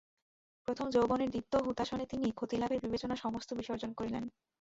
প্রথম যৌবনের দীপ্ত হুতাশনে তিনি ক্ষতিলাভের বিবেচনা সমস্ত বিসর্জন করিলেন।